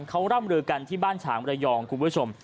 เขาร่ำลือกันที่บ้านฉางระยองคุณผู้ชม